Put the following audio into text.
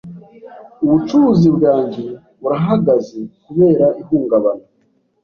Ubucuruzi bwanjye burahagaze kubera ihungabana.